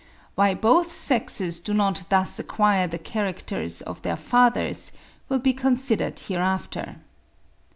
Why both sexes do not thus acquire the characters of their fathers, will be considered hereafter.